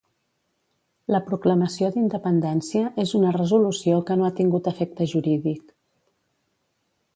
La proclamació d'independència és una resolució que no ha tingut efecte jurídic.